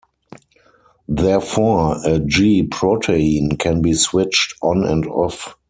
Therefore, a G-protein can be switched on and off.